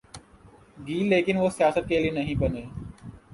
گی لیکن وہ سیاست کے لئے نہیں بنے۔